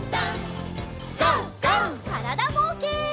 からだぼうけん。